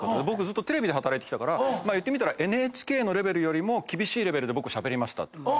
⁉僕ずっとテレビで働いてきたから言ってみたらＮＨＫのレベルよりも厳しいレベルでしゃべりましたって。